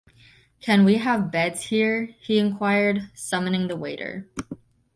‘Can we have beds here?’ he inquired, summoning the waiter.